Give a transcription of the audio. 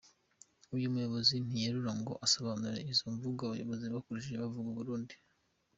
Uyu muyobozi ntiyerura ngo asobanure izo mvugo abayobozi bakoresheje bavuga u Burundi.